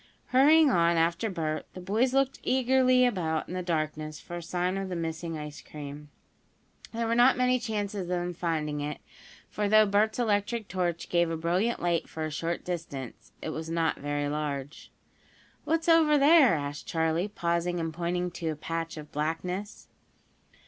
Hurrying on after Bert, the boys looked eagerly about in the darkness for a sign of the missing ice cream. There were not many chances of them finding it, for though Bert's electric torch gave a brilliant light for a short distance, it was not very large. "What's over there?" asked Charley, pausing and pointing to a patch of blackness.